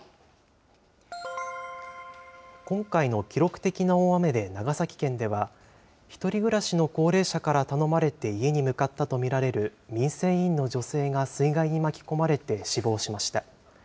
今回の記録的な大雨で、長崎県では、１人暮らしの高齢者から頼まれて家に向かったと見られる民生委員の女性が水害に巻き込まれて死亡しました。